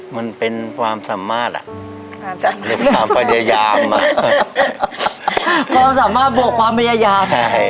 มันเป็นความสามารถอ่ะความสามารถบวกความพยายาม